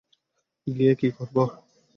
গিয়ে কী করব?